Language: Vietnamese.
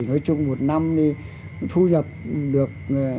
nói chung một năm thì thu nhập được